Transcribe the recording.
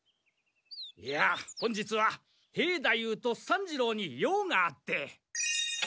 いや本日は兵太夫と三治郎に用があって。